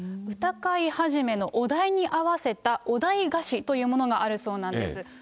歌会始のお題に合わせた御題菓子というものがあるそうなんです。